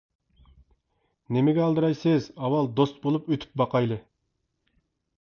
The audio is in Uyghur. نېمىگە ئالدىرايسىز، ئاۋۋال دوست بولۇپ ئۆتۈپ باقايلى!